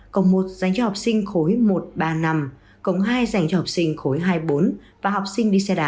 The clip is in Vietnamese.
cổng một dành cho học sinh khối một ba năm cổng hai dành cho học sinh khối hai bốn